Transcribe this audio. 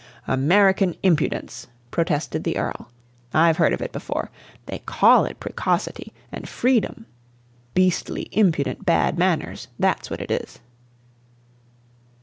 "American impudence!" protested the Earl. "I've heard of it before. They call it precocity and freedom. Beastly, impudent bad manners; that's what it is!"